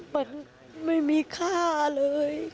มันไม่มีค่าเลย